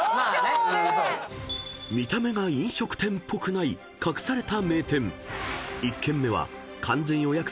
［見た目が飲食店っぽくない隠された名店１軒目は］